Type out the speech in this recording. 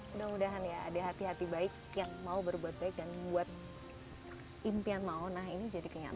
mudah mudahan ya ada hati hati baik yang mau berbuat baik dan membuat impian mau nah ini jadi kenyamanan